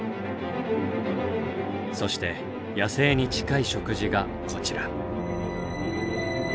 そして野生に近い食事がこちら。